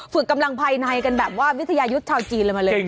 ฝึกกำลังภายในกันแบบว่าวิทยายุทธ์ชาวจีนเลยมาเลย